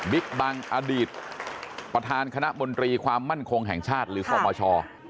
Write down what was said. บังอดีตประธานคณะมนตรีความมั่นคงแห่งชาติหรือคอมช